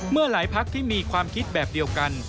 เมื่อหลายพักที่มีความคิดแบบเดียวกัน